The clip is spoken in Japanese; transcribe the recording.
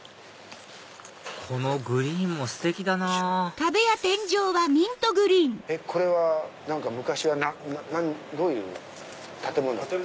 このグリーンもステキだなぁこれは昔はどういう建物だったんですか？